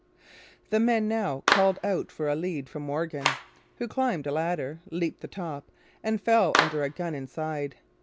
The men now called out for a lead from Morgan, who climbed a ladder, leaped the top, and fell under a gun inside.